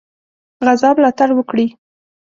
غزا ملاتړ وکړي.